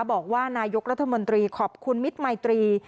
บอกว่านายกรัฐมนตรีขอบคุณมิตรมายตรี